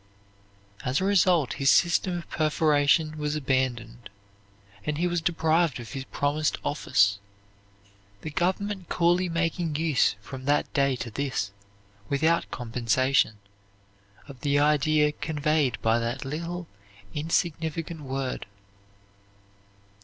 As a result his system of perforation was abandoned and he was deprived of his promised office, the government coolly making use from that day to this, without compensation, of the idea conveyed by that little insignificant word.